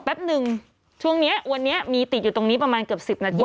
แป๊บนึงช่วงนี้วันนี้มีติดอยู่ตรงนี้ประมาณเกือบ๑๐นาที